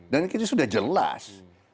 dan itu sudah jelas